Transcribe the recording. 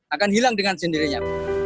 akan hilang dengan sendirinya